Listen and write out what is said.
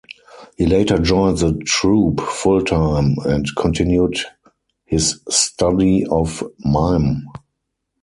He later joined the troupe full-time and continued his study of mime.